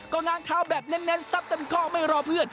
ก็ง้างเท้าแบบเน้นซับเต็มข้อไม่รอเพื่อน